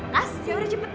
kasih yaudah cepetan